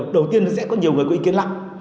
đầu tiên sẽ có nhiều người có ý kiến lặng